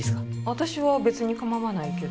私は別にかまわないけど。